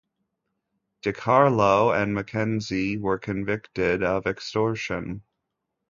DiCarlo and MacKenzie were convicted of extortion.